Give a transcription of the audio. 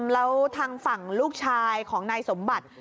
แล้วทางฝั่งลูกชายของนายสมบัติ